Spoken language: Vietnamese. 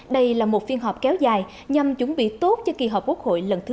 đây là một phiên họp kéo dài nhằm chuẩn bị tốt cho kỳ họp quốc hội lần thứ bốn